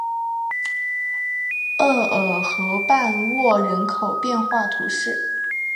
厄尔河畔沃人口变化图示